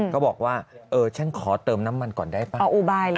ก็บอกว่าเออฉันขอเติมน้ำมันก่อนได้ป่ะ